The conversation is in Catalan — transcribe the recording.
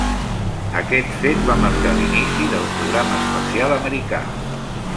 Aquest fet va marcar l'inici del programa espacial americà.